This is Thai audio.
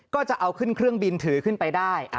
ก็จะเอาขึ้นเครื่องบินถือขึ้นไปได้